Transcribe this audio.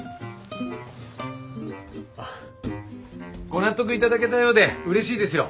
ご納得頂けたようでうれしいですよ。